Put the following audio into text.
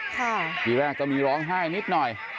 ทีแรกก็มีร้องไห้นิดหน่อย